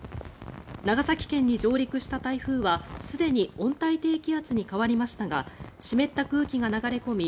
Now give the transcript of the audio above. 長崎県に上陸した台風はすでに温帯低気圧に変わりましたが湿った空気が流れ込み